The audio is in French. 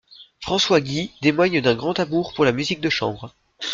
François Guye témoigne d'un grand amour pour la musique de chambre.